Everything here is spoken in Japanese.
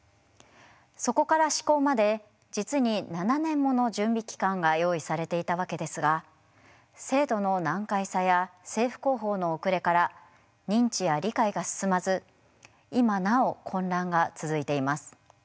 そこから施行まで実に７年もの準備期間が用意されていたわけですが制度の難解さや政府広報の遅れから認知や理解が進まず今なお混乱が続いています。